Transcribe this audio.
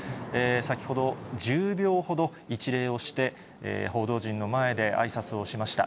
先ほど、１０秒ほど一礼をして、報道陣の前であいさつをしました。